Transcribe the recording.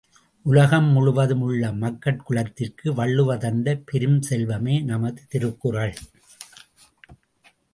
உலகம் முழுவதும் உள்ள மக்கட் குலத்திற்கு வள்ளுவர் தந்த பெருஞ் செல்வமே நமது திருக்குறள்.